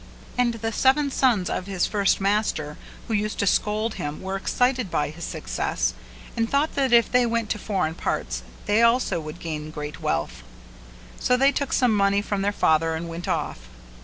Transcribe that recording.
And the seven sons of his first master who used to scold him were excited by his success and thought that if they went to foreign parts they also could gain great wealth; so they took some money from their father and went off.